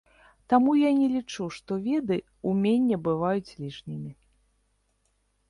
Таму я не лічу, што веды, уменне бываюць лішнімі.